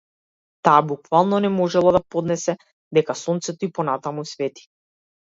Таа буквално не можела да поднесе дека сонцето и понатаму свети.